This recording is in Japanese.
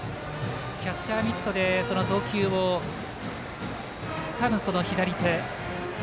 キャッチャーミットでその投球をつかむ左手。